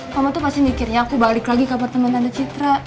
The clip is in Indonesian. mama tuh pasti mikirnya aku balik lagi kabar teman tanda citra